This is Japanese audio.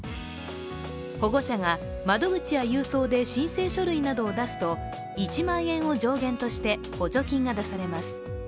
保護者が窓口や郵送で申請書類などを出すと１万円を上限として補助金が出されます。